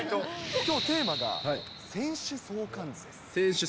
きょうテーマが、選手相関図。